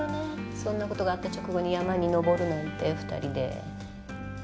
そんなことがあった直後に山に登るなんて２人で。